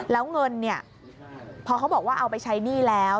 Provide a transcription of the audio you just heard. แล้วเงินเนี่ยพอเขาบอกว่าเอาไปใช้หนี้แล้ว